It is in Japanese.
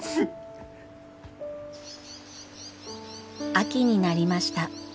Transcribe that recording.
秋になりました。